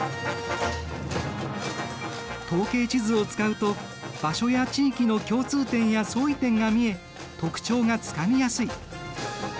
統計地図を使うと場所や地域の共通点や相違点が見え特徴がつかみやすい。